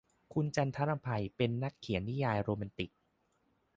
คุณจันทรำไพ เป็นนักเขียนนิยายโรแมนติก